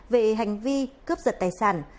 danh vy cướp giật tài sản